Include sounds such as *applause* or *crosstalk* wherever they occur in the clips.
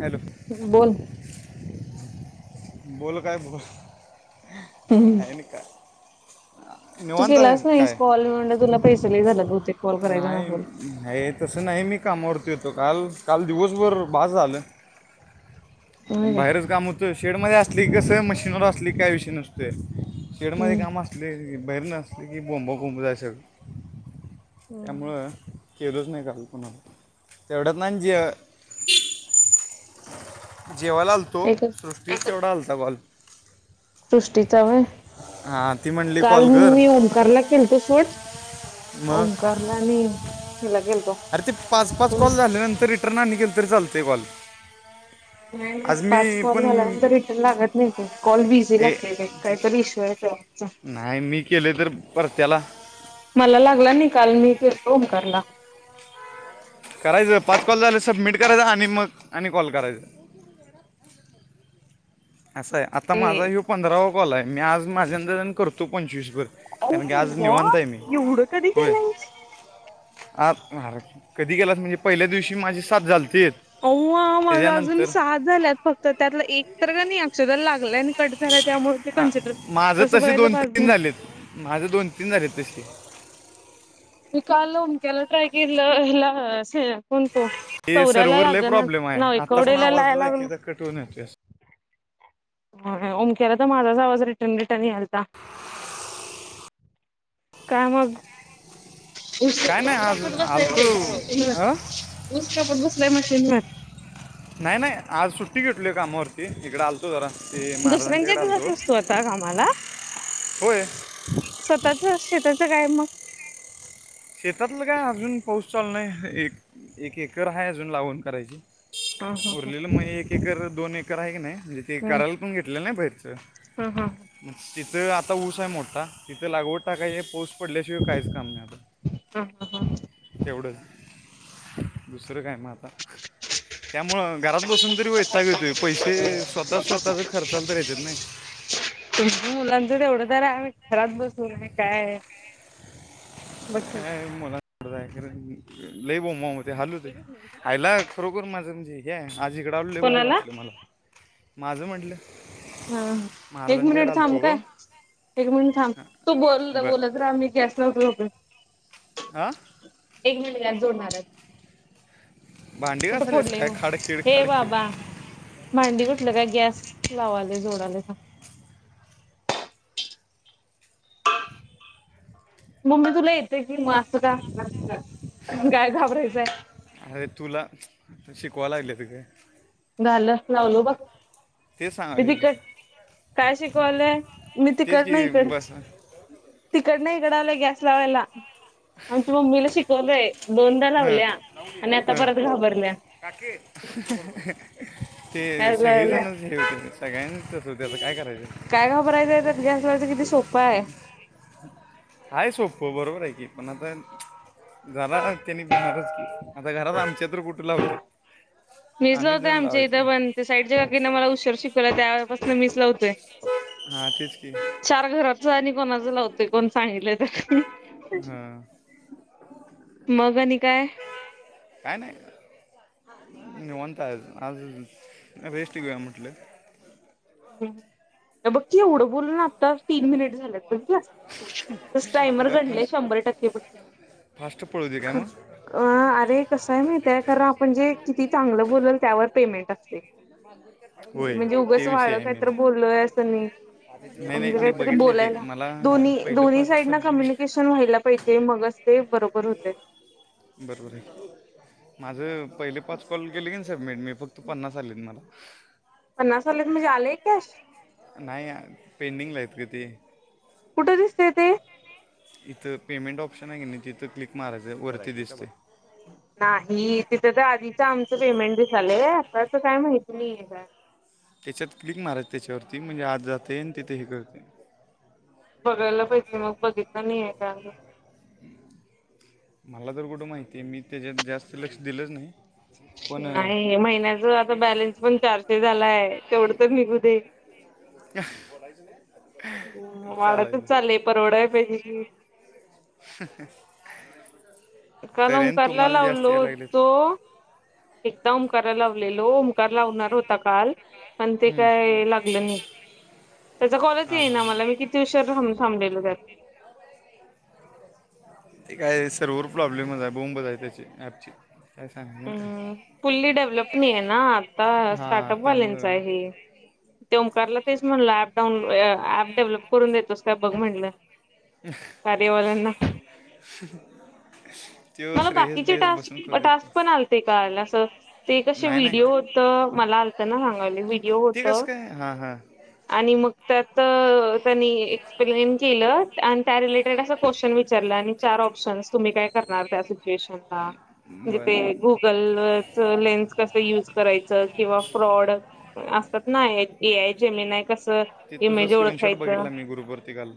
Hello. बोल. बोल काय? हम्म आहेन का? तू नोवात आहे केलाच नाहीस काय कॉल म्हणलं तुला पैसे लई झाल्यात बहुतेक कॉल करायचा नाही. नसल हे तसं नाही मी कामावरती येतो काल काल दिवसभर बाज झालं होय काय बाहेरच काम होत. शेड मध्ये असली कसं मशीनवर असली काय विषय नसते शेडमध्येध्ये हम्म काम असत. इले बाहेर नसले की बॉंबकुंब जाय शगल हम्म. त्यामुळं. केलच नाही काल पुणाला तेवढ्यात ना जी जेव्हा लालतो एकच सृष्टी तेवढा हलता गॉल्. सृष्टीचा ह. म्हणली काल कॉल म कर मी ओंकारला केलतो स्वट मग ओमकारला आणि हिला केलतो अरे ते पाच पाच कोण कॉल झाल्यानंतर रिटर्न आण केले तरी चालतेय कॉल नाही नाही आज पाच मी कॉल पण झाल्यानंतर इ. लागत नाही ते कॉल बी इझी हे लागते ते काहीतरी इश्यू आहे. नाही मी केले तर परत त्याला मला लागला निकाल मीोमकारला. करायचं पाच कॉल झालं सबमिट करायचां आणि मग आणि कॉल करायचां. असं आहे आता ते माझा हो पंधरावा कॉल आहे मी आज माझ्यांदरन करतो पंचवीसभर ओ म्हण गे आज वा निवानत आहे मी एवढं कधी होय. केलंयस आ अर कधी गेलास म्हणजे पहिल्या दिवशी माझी साथ झालते. अव माझ अजून त्याच्यानंतर सात झाल्यात फक्त त्यातला एक तर का नाही अक्षर लागलंय आणि कट झालंय त्यामुळे ते आ, कन्सिडर तसं तसे बघयलं दोन पा. तीन झालेत माझं दोन तीन झाले तसे. मी काल उमक्याला ट्राय केलं हला कोणतो. हे चौऱ्याला सर्व्हर लय लाग नाच ना एकवडे्याला लायला लागणार. कटवून येते अस. ओमक्याला तर माझाच आवाज रिटर्न रिटर्न यालता. काय मग? ऊस काय नाही ऊस आज कापत बसलाय आलतो मशीन अं? ऊस कापत बसलाय मशीन म नाही नाही आज सुट्टी घेेतलोय कामावर, क इकडें आलतो जरा की महाराजांच्या दुसऱ्यांच्या इकडे इथं आलतो जात असतो आता कामाला होय. स्वतःच शेताचं काय मग? शेतातलं काय अजून पाऊस चालू नाय एक एक एकर आहे अजून लावन करायची. हा हा हा उरलेलं मग एक एकर दोन एकर आहे की नाही, म्हणजे ते करायला पण घेतलेलं नाही बाहेरच. हम हम्म मग तिथं आता ऊस आहे मोठा तिथं लागवड टाकायच पाऊस पडल्याशिवाय काहीच काम नाही आता. हम् हम् हम तेवढंच. दुसरं काय म आता, त्यामुळं घरात बसून तरी वैताग येतोय. पैसे स्वतः स्वतःच खर्चाला तर येत्यात नाय. तुमच मुलांचं तेवढं तर आम्ही घरात बसून तरी काय. बघ की. लय बोबबोब होतय हाल होतय एकच मिनिट हा. खायला. खरोखर माझं लय हे हाय म्हणजे इकडें आलो लय भारी कोणाला वाटलं हा मला. माझं म्हटलं हा हा एक मिनिट महाराजांच्याकडे थांब काय. आलतो एक मिनिट तू बोल बर बोलत राहा गॅस लावून येतो. आ. एक मिनटत गॅस जोडणार आहे. भांडी कुठे घासालेस फोडले काय खाडखेड हे बाबा. खाडखेड भांडी कुठलं काय गॅस जोडालय. मम्मी तुला येते की मग असं का काय घाबरायचंय. अरे तुला शिकवा लागलल्यात गं. झालं लावलो बघ. तेच मी सांगाले की तिकडन काय शिकवालोय मी तेच तिकड न की इकड. बस तिकड न इकडं आलोय गॅस लावायला आमच्या मम्मीला शिकवतोय. दोनदा हां लावल्या आणि आता हां परत घाबरल्या. ते गॅस सगळी लावायला जण म सगळ्यांच तसच होतय आता काय करायचं. काय घाबरायचंय त्यात गॅस लावायचं किती सोप आहे. काय सोपं बरोबर आहे की पण आता, जरा त्यांनी भिणारच की आता घरात आमच्या तरी कुठ लावत्यात. मीच लावतोय आमच्या इथं पण त्या साईडच्या काकींन मला उशीर शिकवल्या त्यापासून मीच लावतोय. *unintelligible* हा तेच की तू आणि कोणाचं लावत. कोण सांगितलंय तर हां मग आणि काय? काय नाही, निवांत आज रेस्ट घेऊया म्हटलं. हे बघ की एवढं बोल ना आता तीन मिनिट झाल्यात. मग टायमर काय गडलंय फास्ट शंभर टक्के पैकी. फास्ट पळूदे काय म. अ अरे कसय माहित आहे. काय कारण आपण जे किती चांगलं बोलल त्यावर पेमेंट असते *inaudible* होय म्हणजे ते उगच वाढ. विषय आहे काहीत मेन बोललय अस नाय नाही नाही हणजे मी काहीतरी बघितले ते बोलायला. मला पहिलं दोन्ही पाच साईड ना सबमिट कम्युनिकेशन व्हायला पाहिजे, मगच ते बरोबर होते. बरोबर आहे माझं पहिले पाच कॉल केले की सबमिट मी फक्त पन्नास आलेत मला. पन्नास आलेत म्हणजे आलेय कॅश नाही पेंडिंग लायत ग ते कुठे दिसते ते. इथं पेमेंट ऑप्शन आहे की नाही तिथं क्लिक मारायचं वरती दिसते. नाही तिथं तर आधीच आमचं पेमेंट दि झालंय आताच काय माहती नाहीय का. त्याच्यात क्लिक मारायच त्याच्यावरती म्हणजे आज जाते आणि तिथे हे करते. बघायला पाहिजे मग बघितलं नाही आहे का अ मला तर कुठं माहितीय मी त्याच्यात जास्त लक्ष दिलंच नाही. पण अं, नाही महिन्याच आता बॅलेन्स पण चारशे झालाय तेवढत मी कुधे चालेयल. परवडायला पाहिजे की. *unintelligible* एका तर एन लओंकारला तुम्हाला जास्त लावलो यायला लागलेत तो एकदा ओंकाराला लावलेलो ओंकार लावणार होता काल. पण ते काय लागलं नाही त्याचा कॉलच हां ये ना हां मला मी किती. किती उशीर थांबलेलो मी. ते काय सर्वर प्रॉब्लेमच आहे बोंबज आहे त्याची ऍपची. हम् फुल्ली डेव्हलप नाही आहे ना आता हां स्टार्टअपवाल्यांच त्यामुळं आहे. ते ओकारला तेच म्हणलं प डाऊनो ऍप डेव्हलप करून देतोस का बघ म्हणलं. अरे ले ना. तो मला श्रेयस बी बाकीचे एस बसून करतो. टास्क टास्क पण आलते काला असं. ते कं नाही. नाही व्हिडिओ नाही होतं मला आलतं ना सांगावले व्हिडिओ होत. हा हा. आणि मग त्यात त्यांनी एक्सप्लेन केलं आणि त्या रिलेटेड असं. क्वेश्चन विचारलं आणि चार ऑप्शनस तुम्ही काय करणार त्या सिच्युएशन ला. णज ते बरं गुगलच लेन्स कस युज करायचं किंवा फ्रॉड असत. नाही आहे जमीन आहे कसं ते तुझा इमेज स्क्रीनशॉट ओळखायचं बघितला मी ग्रुपवरती काल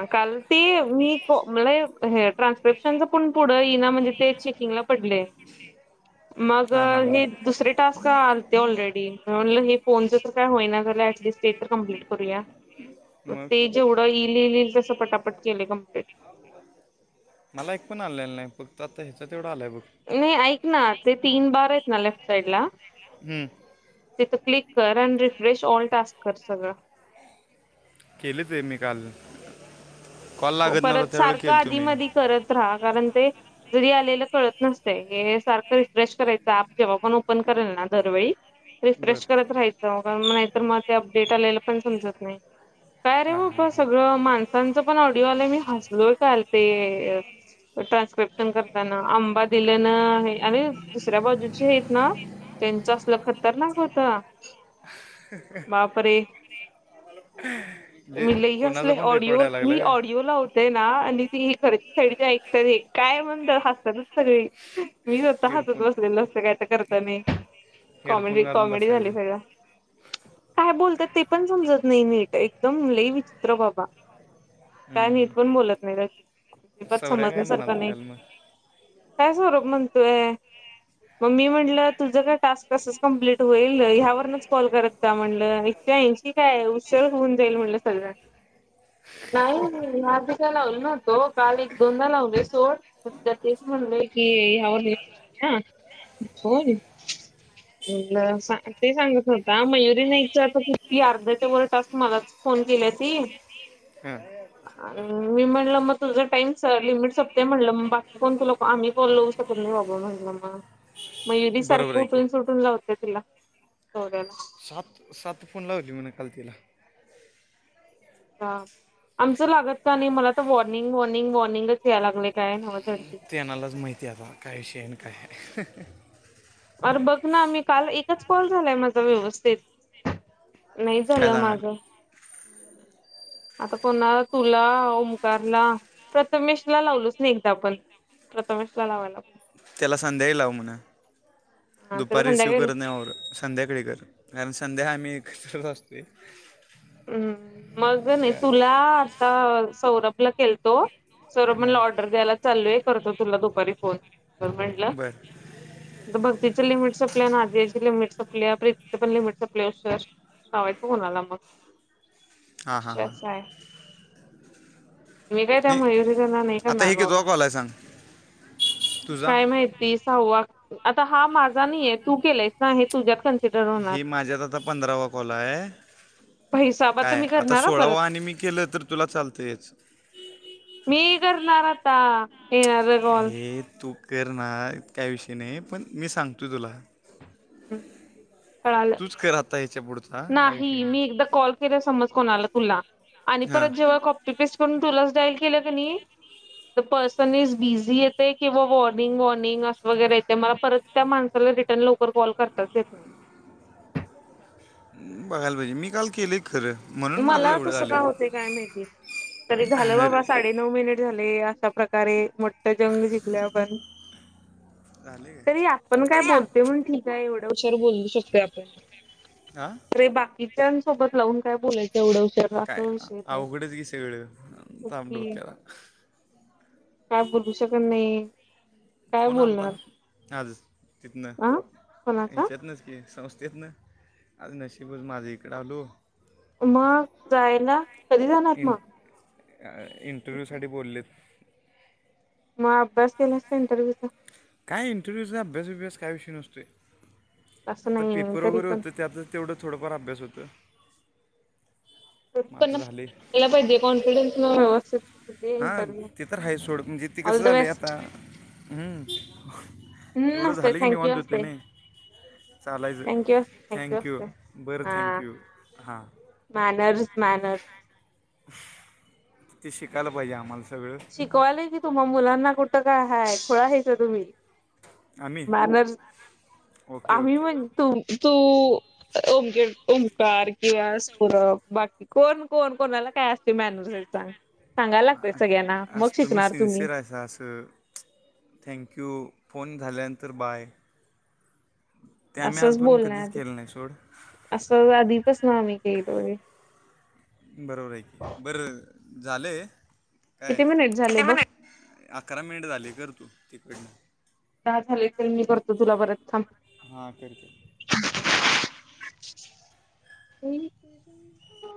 अ काल. ते मी मला हे ट्रान्स्क्रिप्शनच पण पुढं येई ना म्हणजे ते चेकिंगला पडले. पुठे. मग हे. दुसरे टास्क आलते ऑलरेडी म्हणलं हे फोनच जर काय होईना झा ऍटलीिस्ट. ते तर कम्प्लीट करूया मग ते जेवढं येईललईल तसं पटापट केले कमप्लीट. मला एक पण आलेलं नाही फक्त आता ह्याच्यात तेवढा आलाय बघ. नाही ऐक ना ते तीन बार आहेत ना लेफ्ट साईड ला. बघ तिथं क्लिक कर आणि रिफ्रेश ऑल टास्क कर सगळं. केलेच आहे मी काल कॉल लागत नव्हता त्यावेेळे केलं तुम्ही. त राहा कारण ते जरी आलेलं कळत नसते हे सारखं रिफ्रेश करायच. जेव्हा पण ओपन करेल ना दरवेळी बर रिफ्रेश करत राहायचं नाहीत म अपडेट आले पण समजत नाही काय रे हां बा हां सगळ माणसच पण. ले मी हसलोय करते. ट्रान्स्क्रिप्शन करताना आंबा काय दिले ना हे अर दुसऱ्या बाजूचे आहेत ना. त्यांचं असल खतरनाक होत. *unintelligible* बापरे जे मी लय कोणाचा हसले पण रेकॉर्ड ऑडिओ यायला लागला मी आहे ऑडिओ. ला होतय ना आणि ती घराच्या साईडच्या ऐकतात काय म्हणत हसतातच सगळी. मी स्वत हसत हेडफोन बसलेलं असतं काही तर करत नाही. हेडफोन कॉमेडी घालून कॉमेडी बसायचं झाली सगळं. काय बोलतात ते पण समजत नाही नीट एकदम लई विचित्र बाबा. काय नीट हम्म. पण बोलत नाही अज अजिबात सवऱ्या समज नाही काय म्हणाल सारखं तर नाही. काल मग काय सवर म्हण. त मग मी म्हटलं तुझ काय टास्क प्रोसेस कमप्लीट होईलव यावरूनचर. कॉल करत जा म्हणलं एकशे ैएशीकाय हशर होऊन जाईल म्हणलं सगळ्यां नाही मधिका लावल नव्हतो काल एक दोनदा लावली बेन्टेक्स म्हटले की यावरून कर ते सांगत नव्हता मयुरी नाहीचं आता किती अर्ध्याच्या वर टास्क मला फोन केला ती हम मी म्हणलं मग तुझं टाईम स लिमिट सोपतेय म्हणलं मग बाकी कोण तुला आम्हीलो तुमी वाल मयुरी बरोबर सारखं आहे की उठून सुटून लावते तिला सो्याला सात सात फोन लावली म्हणा काल तिला ह आमचं लागत का नाही मला तर वॉर्निंग वॉर्निंग वॉर्निंगच यायला लागले काय नव झडप तेनालाच माहिती आता काय विषय आणि काय अरे बघ ना मी काल एकच कॉल झालाय माझा व्यवस्थेत नाही काय झालं माझ सांगायला आता कोणाला तुला ओमकारला प्रथमेश ला लावलोच ना एकदा आपण प्रथमेश लावाला त्याला संध्याही लाव म्हणा हा त्याला दुपारी रिसीव्ह संध्याकाळी करत नाही संध्याकाळी कर कारण संध्या आम्ही एकत्रत असतो हम् मग नाही तुला आता सौरभला केळतो सौरभ म्हणला हां ऑर्डर द्यायला चाललय करतो तुला दुपारी फोन ग म्हंटला बर भक्तीचे लिमिटसपल्या ना आदयाची लिमिटसप आहे प्रीतीचे पण लिमिट सपले लावायचं कोणाला मग हां हां हां अाच आहे मी काय त्या नाही मयुरी त्यांना नाही आता करणार हे के बाबा तो कॉल आहे सांग तुझा मा सहवा आता हा माझा नाहीय तू केलाय हि माझ्यात आता पंधरावा कॉल आहे हिसाबात काय मी आता करणार हा सोळा परत वा आणि मी केलं तर तुला चालतंयच मी करणार आता येणार कॉल हे तू करणार काय विषय नाही पण मी सांगतोय तुला हम तूच कर आता याच्या पुडच नाही मी एकदा कॉल केला समज कोणाला तुला आणि हां परत जेव्हा त पीस करून तुलाच डाईल केलं क नाही तर पर्सन इज बिझी येते किंवा वॉर्निंग वॉर्निंग अस वगैरे येते मला परत त्या माणसाला रिटर्न लवकर कॉल करताच येत नाही बघायला पाहिजे मी काल केले खर मग मला तस काय होते काय माहिती तरी झालं अरे बाबा सा साडे नऊ मिनिट झाले असा प्रकारे जंग जिंकल्या आपण झाले तरी काय आपण काय बोलते म्हण ठीक नाही एवढ्या हुशार बोललू शकतोय आपण आं े बाकीच्या सोबत लावून काय बोलायचं एवढं उशर काय अवघडंच की सगळ ताप नक्की डोक्याला काय बोलू शकत नाही काय फोन आलाता बोलणार आज तिथनं अ कोणाचा ह्याच्यात नाच की संस्थेत ना आज नशीबच माझ्या इकडें आलो मग जायला, कधी जाणार इन मग? इंटरव्ह्यूसाठी बोलवलेत. मग अभ्यास केलास काय इंटरव्ह्यूचा? काय इंटरव्यूचा आभ्यास बिब्यास काय विषय नसतोय असं आता नाही पेपर तरी वगैरे पण होतं त्यात तेवढं थोडंफार अभ्यास होतय पण यायला पाहिजे कॉन्फिडन्स न व्यवस्थित दे हा इंटरव्ह्यू ते तर आहेच सोड म्हणजे ते ऑल कसं द झालय आता बेस्ट हम्म हम्म एवढं असते झालं की निवांत थँक्यू होत असते नायी चालायच, थँक्यू असते थँक्यू थँक यू. असते बरं हा थँंक्यू. हां मॅनर्स, मॅनर ते शिकायला पाहिजे आम्हाला सगळं शिकवायलय की तुम्हा मुलांना कुठं काय हाय? खुळा हायसा तुम्ही? आम्ही मॅनर्स ओके आम्ही ओके म्हण तु तू ओं ओंकार किंवा सौरभ बाकी कोण कोण कोणाला काय अस मॅनर्सयत सांग सांगायला लागतय सगळ्यांना मग असं तुम्ही शिकणार सिनसियर हायसा असं थँक्यू, फोन झाल्यानंतर बाय ते आम्ही असंच आजपर्यंत कधीच बोलण्याआधी केलं नाय सोड असं अधीपासनं आम्ही केलोय बरोबरय की बरं झालंय किती मिनिट झाले बघ? अकरा मिनिट झाले कर तू तिकडनं दहा झाले तर मी करतो तुला परत थांब हा, कर कर एक दिन हो